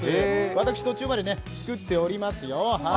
私、途中まで作っております。